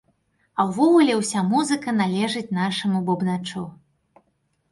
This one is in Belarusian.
А ўвогуле ўся музыка належыць нашаму бубначу.